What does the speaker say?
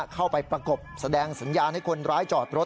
เข้าไปประกบแสดงสัญญาณให้คนร้ายจอดรถ